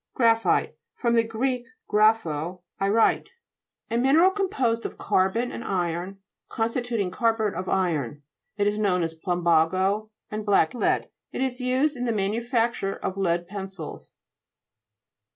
GKA'PHITE fr. gr. grapho, I write. A mineral composed of carbon and 1 iron, constituting carburet of iron. It is known as plumbago and black lead, it is used in the manufac ture of lead pencils.